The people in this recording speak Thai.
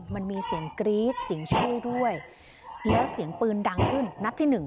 มันมีเสียงกรี๊ดเสียงโชคด้วยแล้วเสียงปืนดังขึ้นนัดที่หนึ่ง